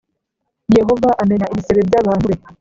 Yehova amenya ibisebe by’abantu be